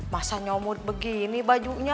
masa nyomut begini bajunya